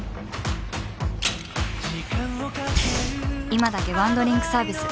今だけワンドリンクサービス